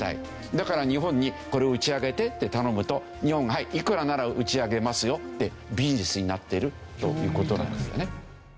だから日本に「これを打ち上げて」って頼むと日本が「はいいくらなら打ち上げますよ」ってビジネスになっているという事なんですね。